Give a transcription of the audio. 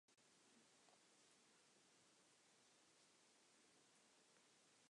Modules may not be swapped out and often a typical configuration has been pre-wired.